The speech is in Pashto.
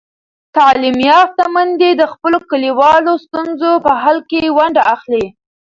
تعلیم یافته میندې د خپلو کلیوالو ستونزو په حل کې ونډه اخلي.